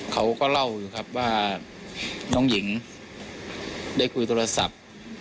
เขาก็เล่าอยู่ครับว่าน้องหญิงได้คุยโทรศัพท์